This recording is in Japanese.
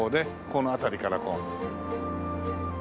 この辺りからこう。